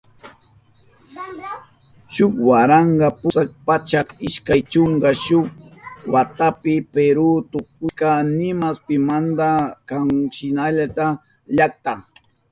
Shuk waranka pusak pachak ishkay chunka shuk watapi Peru tukushka nima pimanta kamachirishka llakta.